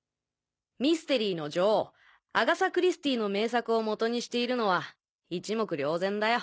ミステリーの女王アガサ・クリスティの名作を元にしているのは一目瞭然だよ。